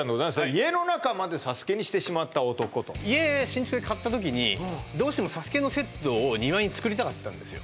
「家の中までＳＡＳＵＫＥにしてしまった男」と家新築で買ったときにどうしてもＳＡＳＵＫＥのセットを庭に作りたかったんですよ